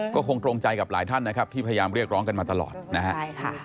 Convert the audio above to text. ก็คงตรงใจกับหลายท่านนะครับที่พยายามเรียกร้องกันมาตลอดนะฮะใช่ค่ะ